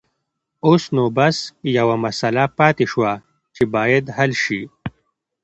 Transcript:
اوس نو بس يوه مسله پاتې شوه چې بايد حل شي.